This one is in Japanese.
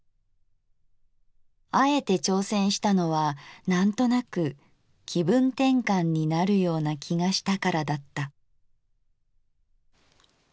あえて挑戦したのはなんとなく気分転換になるような気がしたからだった」。